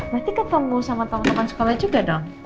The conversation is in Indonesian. berarti ketemu sama teman teman sekolah juga dong